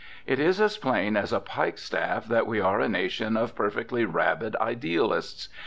It is as plain as a pike staff that we are a nation of perfectly rabid idealists.